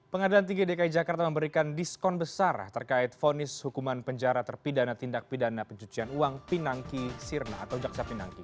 pengadilan tinggi dki jakarta memberikan diskon besar terkait fonis hukuman penjara terpidana tindak pidana pencucian uang pinangki sirna atau jaksa pinangki